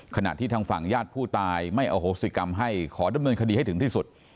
ขณะที่ทางฝั่งญาติผู้ตายไม่อโหสิกรรมให้ขอดำเนินคดีให้ถึงที่สุด